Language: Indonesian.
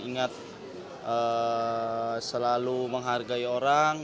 ingat selalu menghargai orang